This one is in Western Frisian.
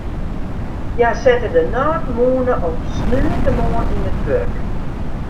Hja sette de nôtmûne op saterdeitemoarn yn it wurk.